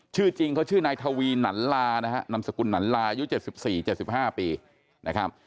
ชื่อจริงเขาชื่อนายทวีหนันลานะฮะนามสกุลหนันลาอายุ๗๔๗๕ปีนะครับ